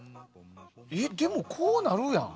えでもこうなるやん。